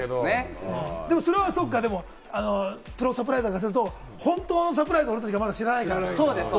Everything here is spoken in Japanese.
でもそれはそうか、プロサプライザーからすると、本当のサプライズを俺たちが知らないから。